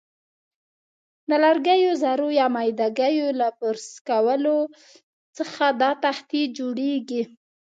د لرګیو ذرو یا میده ګیو له پرس کولو څخه دا تختې جوړیږي.